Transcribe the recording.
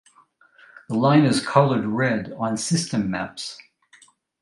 The line is colored red on system maps.